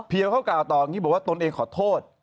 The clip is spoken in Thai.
เพียวเขากล่าวตอนนี้บอกว่าตัวเองขอโทษ